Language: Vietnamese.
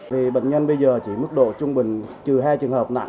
vì bệnh nhân bây giờ chỉ mức độ trung bình trừ hai trường hợp nặng